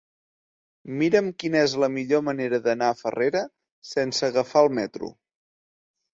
Mira'm quina és la millor manera d'anar a Farrera sense agafar el metro.